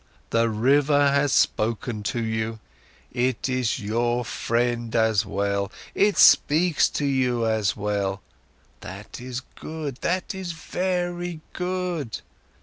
The river has spoken to you. It is your friend as well, it speaks to you as well. That is good, that is very good.